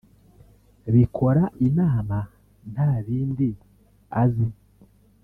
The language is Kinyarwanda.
bikora inama nta bindi azi